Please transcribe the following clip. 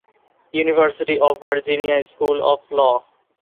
University of Virginia school of law.